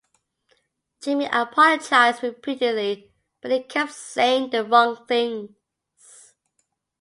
Jamie apologized repeatedly but he kept saying the wrong things.